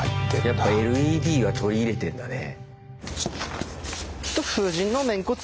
やっぱＬＥＤは取り入れてんだね。